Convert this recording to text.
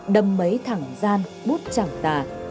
đầm mấy thẳng gian bút chẳng tà